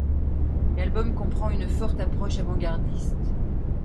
L'album comprend une forte approche avant-gardiste.